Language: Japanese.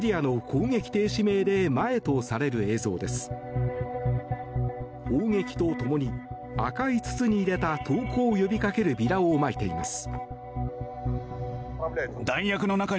砲撃とともに赤い筒に入れた投降を呼びかけるビラをまいています。